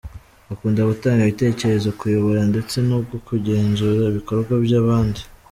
Akunda gutanga ibitekerezo, kuyobora ndetse no kugenzura ibikorwa by’abandi.